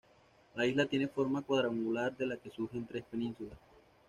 La isla tiene forma cuadrangular, de la que surgen tres penínsulas.